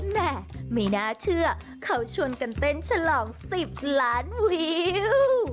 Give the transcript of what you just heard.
แม่ไม่น่าเชื่อเขาชวนกันเต้นฉลอง๑๐ล้านวิว